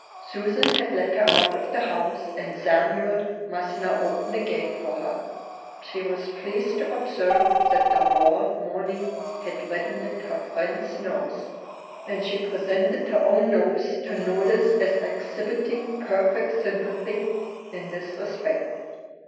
Susan had let her out of the house; and Samuel must now open the gate for her. She was pleased to observe that the raw morning had reddened her friend's nose; and she presented her own nose to notice as exhibiting perfect sympathy in this respect.